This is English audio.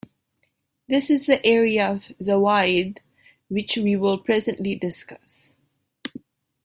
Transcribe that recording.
This is the area of Zawa'id which we will presently discuss.